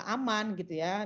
aman gitu ya